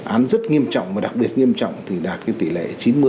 án rất nghiêm trọng và đặc biệt nghiêm trọng thì đạt tỷ lệ chín mươi hai mươi sáu